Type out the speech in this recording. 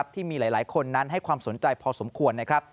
ที่มีหลายคนนั้นให้ความสนใจพอสมควรนะครับ